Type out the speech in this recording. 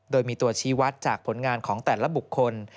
โดยมีตัวชี้วัดจากผลงานของแต่ละบุคคล